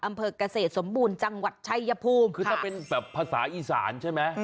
อำเภอกเกษตรสมบูรณ์จังหวัดชายภูมิคือถ้าเป็นแบบภาษาอีสานใช่ไหม